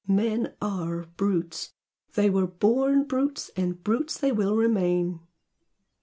Men ARE brutes! They were born brutes, and brutes they will remain!"